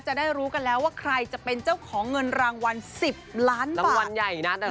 จะได้รู้กันแล้วว่าใครจะเป็นเจ้าของเงินรางวัล๑๐ล้านบาท